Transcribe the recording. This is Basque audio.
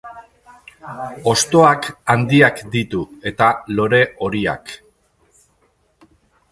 Hostoak handiak ditu, eta lore horiak.